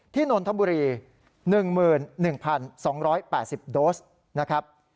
นนทบุรี๑๑๒๘๐โดสนะครับ